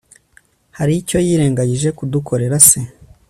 Haricyo yirengagije kudukorera se